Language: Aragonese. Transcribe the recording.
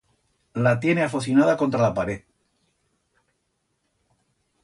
La tiene afocinada contra la paret.